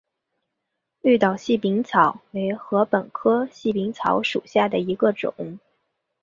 绿岛细柄草为禾本科细柄草属下的一个种。